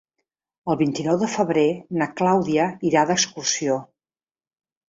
El vint-i-nou de febrer na Clàudia irà d'excursió.